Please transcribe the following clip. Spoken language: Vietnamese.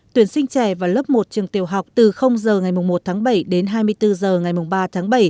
tuyển sinh trẻ vào lớp một trường tiểu học từ h ngày một tháng bảy đến hai mươi bốn h ngày ba tháng bảy